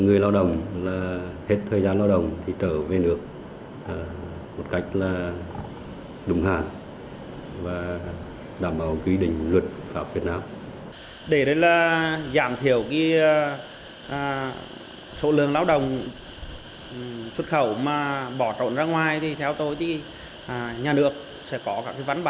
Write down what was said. nguyên nhân khiến lao động bỏ trốn hết thời hạn hợp đồng vẫn ở lại cư trú ở lại làm việc bất hợp pháp